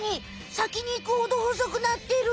先にいくほどほそくなってる！